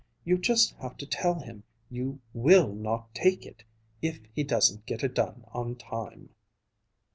You just have to tell him you will not take it, if he doesn't get it done on time!"